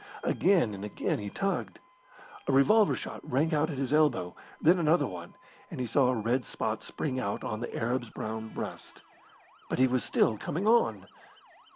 Again and again he tugged. A revolver shot rang out at his elbow, then another one, and he saw a red spot spring out on the Arab's brown breast. But he was still coming on.